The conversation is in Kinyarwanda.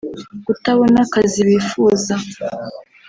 Kutabona akazi bifuza